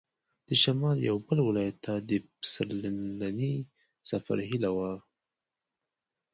د شمال یوه بل ولایت ته د پسرلني سفر هیله وه.